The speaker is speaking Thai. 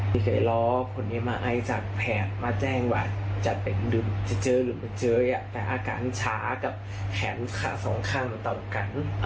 ที่เคยรอผลอิมไอจากแผนมาแจ้งว่าจะเป็นดึงจะเจอหรือไม่เจอแต่อาการช้ากับแขนสองข้างต่อกัน